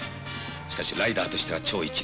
しかしライダーとしては超一流。